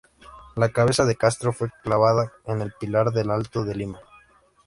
La cabeza de Castro fue clavada en el pilar del Alto de Lima.